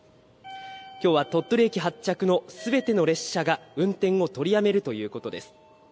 きょうは鳥取駅発着のすべての列車が運転を取りやめるということです。